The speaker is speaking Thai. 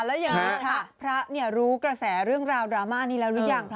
แล้วอย่างนี้พระรู้กระแสเรื่องราวดราม่านี้แล้วหรือยังคะ